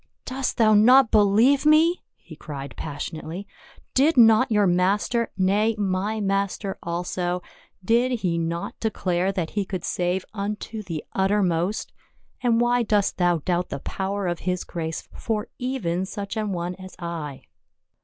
" Dost thou not believe me ?" he cried passionately. " Did not your Master — nay, my Master also — did he not declare that he could save unto the uttermost ? And why dost thou doubt the power of his grace for even such an one as I."